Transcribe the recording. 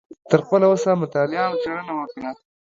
تر خپله وسه مطالعه او څیړنه وکړه